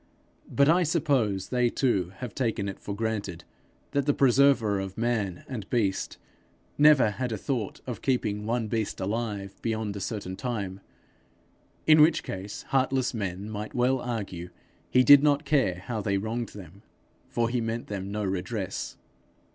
But I suppose they too have taken it for granted that the Preserver of man and beast never had a thought of keeping one beast alive beyond a certain time; in which case heartless men might well argue he did not care how they wronged them, for he meant them no redress.